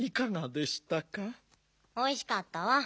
おいしかったわ。